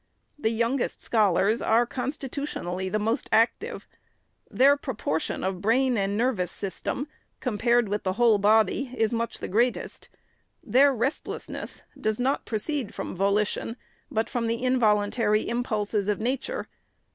The youngest scholars are, constitutionally, most active. Their proportion of brain and nervous sys tem, compared with the whole body, is much the great est. Their restlessness does not proceed from volition, but from the involuntary impulses of nature.